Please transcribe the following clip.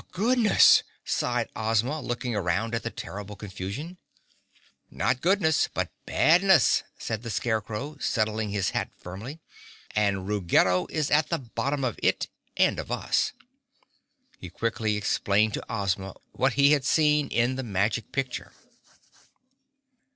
"Goodness!" sighed Ozma, looking around at the terrible confusion. "Not goodness, but badness," said the Scarecrow, settling his hat firmly, "and Ruggedo is at the bottom of it and of us." He quickly explained to Ozma what he had seen in the Magic Picture.